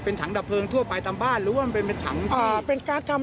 เป็นถังดับเพลิงทั่วไปทำบ้านหรือว่ามันเป็นถังที่อ่า